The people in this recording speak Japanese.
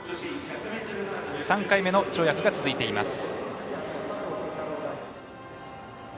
３回目の跳躍が続いています。